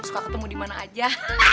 suka ketemu dimana aja